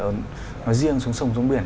nói riêng xuống sông xuống biển